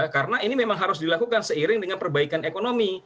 karena ini memang harus dilakukan seiring dengan perbaikan ekonomi